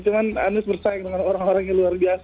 cuma anmes bersaing dengan orang orang yang luar biasa